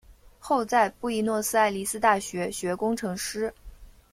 后在布宜诺斯艾利斯大学学工程师。